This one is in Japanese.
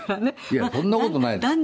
いやそんな事ないです。